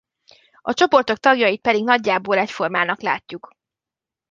A csoportok tagjait pedig nagyjából egyformának látjuk.